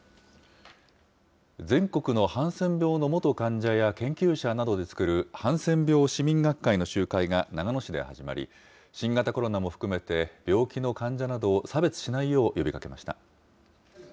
全国のハンセン病の元患者や研究者などで作るハンセン病市民学会の集会が長野市で始まり、新型コロナも含めて病気の患者などを差別しないよう、呼びかけました。